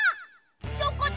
チョコタ！